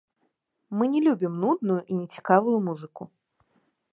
Мы не любім нудную і нецікавую музыку.